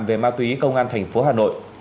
về ma túy công an thành phố hà nội